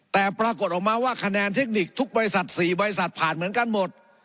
แต่ปรากฏออกมาว่าคะแนนเทคนิคทุกบริษัท๔บริษัทผ่านเหมือนกันหมด